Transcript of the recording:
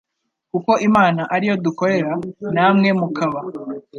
Kuko Imana ari yo dukorera, namwe mukaba